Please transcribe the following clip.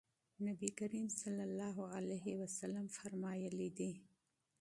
نبي کريم صلی الله عليه وسلم فرمايلي دي: